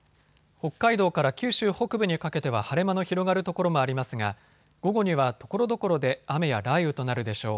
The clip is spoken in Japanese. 北海道から九州北部にかけては晴れ間の広がる所もありますが午後にはところどころで雨や雷雨となるでしょう。